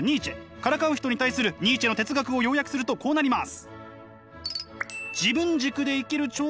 からかう人に対するニーチェの哲学を要約するとこうなります。